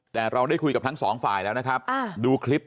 แต่เราได้คุยกับทั้งสองฝ่ายแล้วนะครับดูคลิป